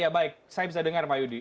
ya baik saya bisa dengar pak yudi